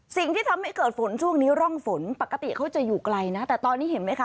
สิ่งที่ทำให้เกิดฝนช่วงนี้ร่องฝนปกติเขาจะอยู่ไกลนะแต่ตอนนี้เห็นไหมคะ